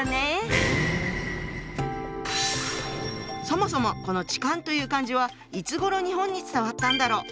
そもそもこの「痴漢」という漢字はいつごろ日本に伝わったんだろう。